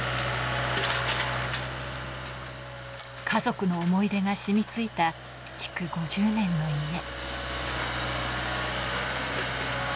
家族の思い出が染みついた築５０年の家。